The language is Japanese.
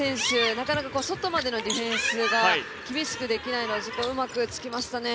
なかなか外までのディフェンスが厳しくできないのをうまくつきましたね。